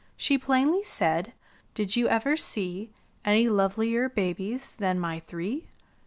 She plainly said, ''Did you ever see Any lovelier babies than my three?